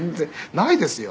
「ないですよ。